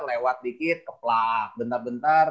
lewat dikit keplak bentar bentar